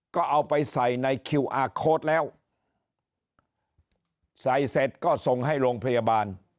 ก็เอาไปใส่ในคิวอาร์โค้ดแล้วใส่เสร็จก็ส่งให้โรงพยาบาล